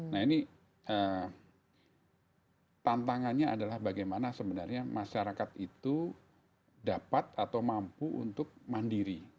nah ini tantangannya adalah bagaimana sebenarnya masyarakat itu dapat atau mampu untuk mandiri